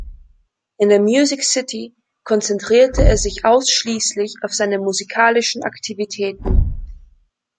In der Music City konzentrierte er sich ausschließlich auf seine musikalischen Aktivitäten.